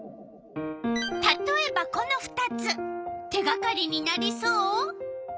たとえばこの２つ手がかりになりそう？